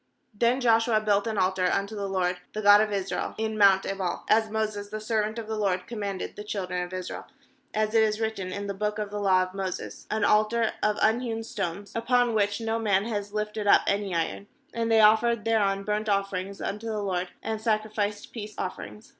80Then Joshua built an altar unto the LORD, the God of Israel, hi mount Ebal, 31as Moses the servant of the LORD commanded the children of Israel, as it is written in the book of the law of Moses, an altar of unhewn stones, upon which no man had lifted up any iron; and they offered thereon burnt offerings unto the LORD, and sacrificed peace offerings.